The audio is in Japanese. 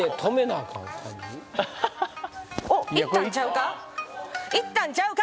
いったんちゃうか？